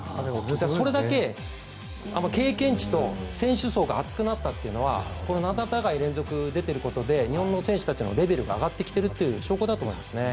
それだけ経験値と選手層が厚くなったというのはこの７大会連続で出ているということで日本の選手たちのレベルが上がってきているという証拠だと思います。